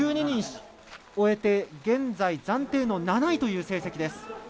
１２人終えて現在暫定の７位という成績。